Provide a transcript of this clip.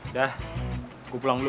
udah gue pulang dulu